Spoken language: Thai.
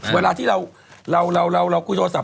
เวลาที่เราคุยโทรศัพ